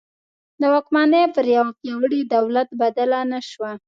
د واکمني پر یوه پیاوړي دولت بدله نه شوه.